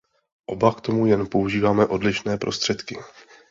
Oba k tomu jen používáme odlišné prostředky.